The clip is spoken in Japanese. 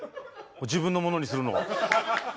自分のものにするの。